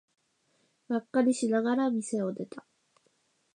がっかりしながら店を出た。